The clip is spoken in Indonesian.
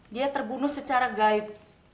dia terbunuh secara gaib